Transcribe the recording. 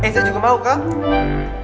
eh bisa juga mau kak